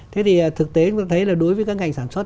thế thì thực tế chúng ta thấy là đối với các ngành sản xuất